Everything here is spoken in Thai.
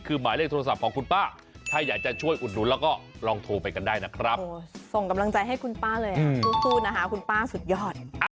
คือหมายเลขโทรศัพท์ของคุณป้าถ้าอยากจะช่วยอุดหนุนแล้วก็ลองโทรไปกันได้นะครับส่งกำลังใจให้คุณป้าเลยสู้นะคะคุณป้าสุดยอด